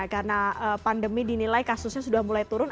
karena pandemi dinilai kasusnya sudah mulai turun